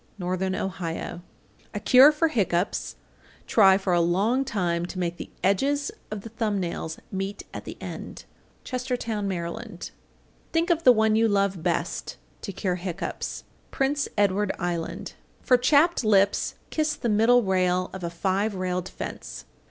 Northern Ohio. 851. A cure for hiccoughs: Try for a long time to make the edges of the thumb nails meet at the end. Chestertown, Md. 852. Think of the one you love best, to cure hiccoughs. Prince Edward Island. 853. For chapped lips kiss the middle rail of a five railed fence.